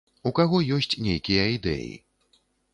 У каго ёсць нейкія ідэі.